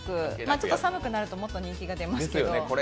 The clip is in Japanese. ちょっと寒くなると人気が出ますけど。